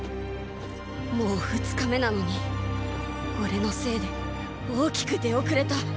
もう二日目なのにオレのせいで大きく出遅れた。